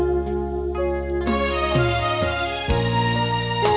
ไปยักษ์นานอย่างเดียวไปยักษ์นานอย่างเดียว